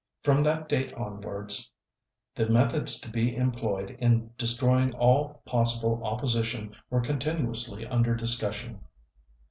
From that date onwards, the methods to be employed in destroying all possible opposition were continuously under discussion.